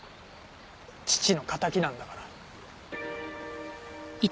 父の敵なんだから。